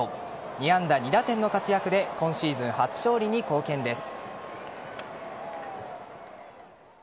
２安打２打点の活躍で今シーズン初勝利に貢献です。